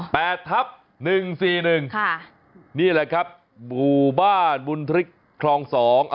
แปดทับหนึ่งสี่หนึ่งค่ะนี่แหละครับบุบาลบุนทริกคลองสอง